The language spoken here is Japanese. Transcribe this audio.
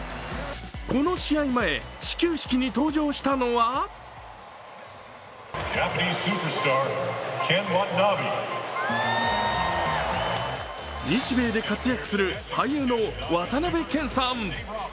この試合前、始球式に登場したのは日米で活躍する俳優の渡辺謙さん。